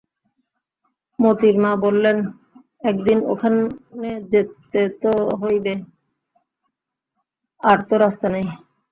মোতির মা বললে, একদিন ওখানে যেতে তো হবেই, আর তো রাস্তা নেই।